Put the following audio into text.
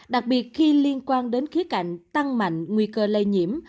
đặc biệt khi liên quan đến khía cạnh tăng mạnh nguy cơ lây nhiễm